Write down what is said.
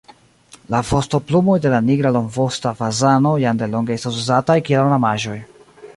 La vostoplumoj de la nigra longvosta fazano jam delonge estas uzataj kiel ornamaĵoj.